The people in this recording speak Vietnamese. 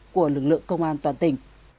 của lực lượng công an toàn tỉnh